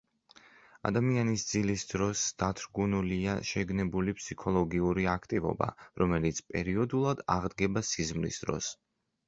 ადამიანის ძილის დროს დათრგუნულია შეგნებული ფსიქოლოგიური აქტივობა, რომელიც პერიოდულად აღდგება სიზმრის დროს.